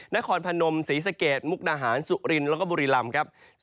นครพนมศรีสะเกดมุกดาหารสุรินแล้วก็บุรีรำครับ